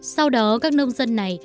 sau đó các nông dân này